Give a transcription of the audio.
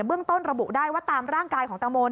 เรื่องต้นระบุได้ว่าตามร่างกายของตังโม